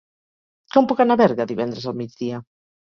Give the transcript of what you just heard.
Com puc anar a Berga divendres al migdia?